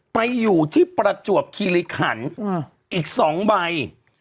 ไปอยู่ที่ประจวบคิริขันอีก๒ใบ